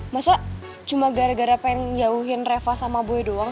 masa cuma gara gara pengen jauhin reva sama boy doang